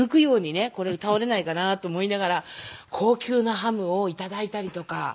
これ倒れないかな？と思いながら高級なハムを頂いたりとか。